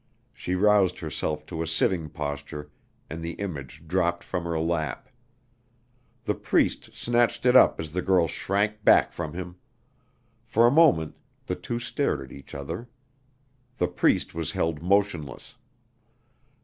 She roused herself to a sitting posture and the image dropped from her lap. The Priest snatched it up as the girl shrank back from him. For a moment the two stared at each other. The Priest was held motionless.